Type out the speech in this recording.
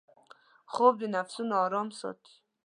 خوب د نفسونـو آرام ساتي